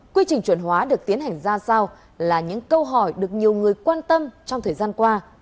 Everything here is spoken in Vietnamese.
quy trình chuẩn hóa được tiến hành ra sao là những câu hỏi được nhiều người quan tâm trong thời gian qua